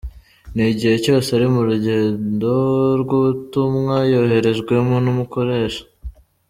N’igihe cyose ari mu rugendo rw’ubutumwa yoherejwemo n’umukoresha.